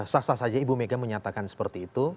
sah sah saja ibu mega menyatakan seperti itu